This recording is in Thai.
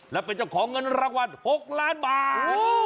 และเป็นเจ้าของเงินรางวัล๖ล้านบาท